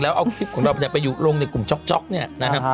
แล้วเอาคลิปของเราไปอยู่ลงในกลุ่มจ๊อกนี่นะฮะ